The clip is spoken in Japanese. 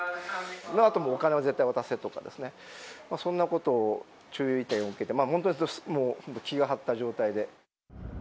そのあとも絶対お金は渡せとかですね、そんなことを注意点を受けて、本当、気が張った状態で。